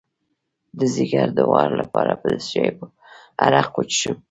د ځیګر د غوړ لپاره د څه شي عرق وڅښم؟